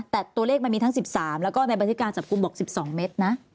แต่ตัวเลขมันมีทั้ง๑๓แล้วก็ในบันทึกการจับกลุ่มบอก๑๒เมตรนะ